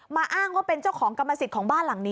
อ้างว่าเป็นเจ้าของกรรมสิทธิ์ของบ้านหลังนี้